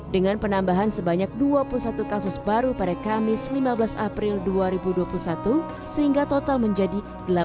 dengan penambahan sebanyak dua puluh satu kasus baru pada kamis lima belas april dua ribu dua puluh satu sehingga total menjadi delapan